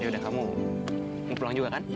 iya dah kamu mau pulang juga kan